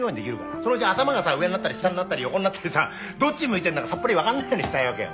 そのうち頭がさ上になったり下になったり横になったりさどっち向いてんだかさっぱり分かんないようにしたいわけよ